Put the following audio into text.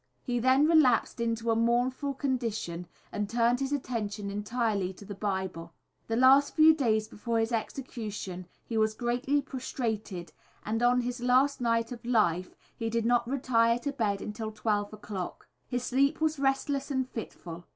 He then relapsed into a mournful condition, and turned his attention entirely to the Bible. The last few days before his execution he was greatly prostrated, and on his last night of life he did not retire to bed until twelve o'clock. His sleep was restless and fitful.